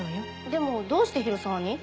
でもどうして広沢に？